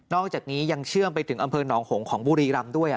อกจากนี้ยังเชื่อมไปถึงอำเภอหนองหงของบุรีรำด้วย